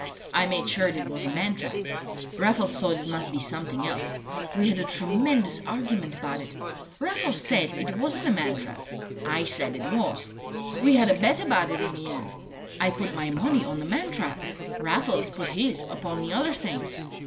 "I made sure it was a man trap. Raffles thought it must be something else. We had a tremendous argument about it. Raffles said it wasn't a man trap. I said it was. We had a bet about it in the end. I put my money on the man trap. Raffles put his upon the other thing.